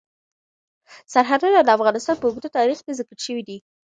سرحدونه د افغانستان په اوږده تاریخ کې ذکر شوی دی.